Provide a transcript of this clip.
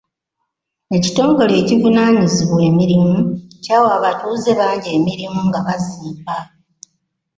Ekitongole ekivunaanyizibwa mirimu kyawa abatuuze bangi emirimu nga bazimba.